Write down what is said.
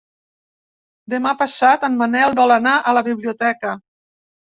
Demà passat en Manel vol anar a la biblioteca.